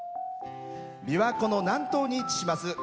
びわ湖の南東に位置します